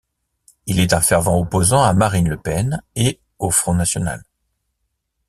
Il est un fervent opposant à Marine Le Pen et au Front national.